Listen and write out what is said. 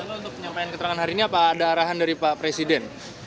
pak untuk penyampaian keterangan hari ini apa ada arahan dari pak presiden